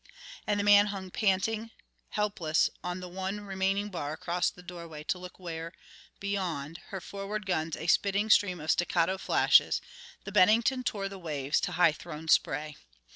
And the man hung panting, helpless, on the one remaining bar across the doorway to look where, beyond, her forward guns a spitting stream of staccato flashes, the Bennington tore the waves to high thrown spray.